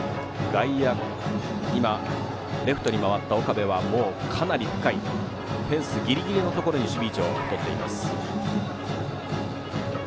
外野、今レフトに回った岡部はもうかなり深いフェンスギリギリのところに守備位置をとっています。